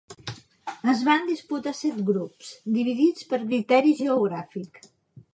Es van disputar set grups, dividits per criteri geogràfic.